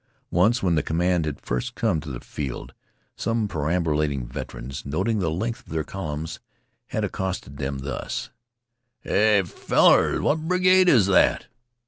Once, when the command had first come to the field, some perambulating veterans, noting the length of their column, had accosted them thus: "Hey, fellers, what brigade is that?"